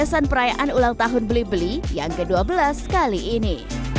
kepuksesan perayaan ulang tahun blibli yang ke dua belas kali ini